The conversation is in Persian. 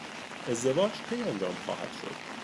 ازدواج کی انجام خواهد شد؟